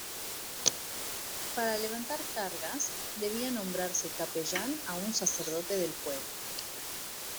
Para levantar cargas, debía nombrarse capellán a un sacerdote del pueblo.